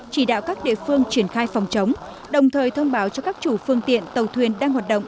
chỉ đạo các địa phương triển khai phòng chống đồng thời thông báo cho các chủ phương tiện tàu thuyền đang hoạt động